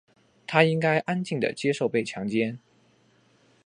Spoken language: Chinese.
她应该安静地接受被强奸。